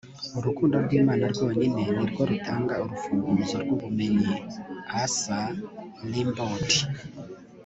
urukundo rw'imana rwonyine ni rwo rutanga urufunguzo rw'ubumenyi. - arthur rimbaud